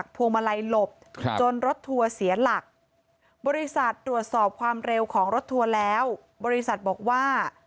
การสอบความเร็วของรถทัวร์แล้วบริษัทบอกว่า